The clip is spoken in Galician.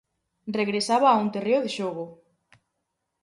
Regresaba a un terreo de xogo.